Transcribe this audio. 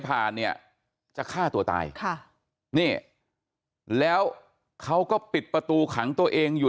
ผ่านเนี่ยจะฆ่าตัวตายค่ะนี่แล้วเขาก็ปิดประตูขังตัวเองอยู่